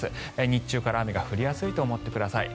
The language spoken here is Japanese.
日中から雨が降りやすいと思ってください。